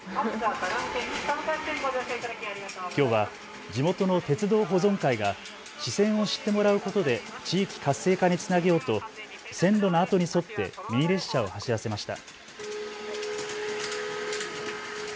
きょうは地元の鉄道保存会が支線を知ってもらうことで地域活性化につなげようと線路の跡に沿ってミニ列車を走らせました。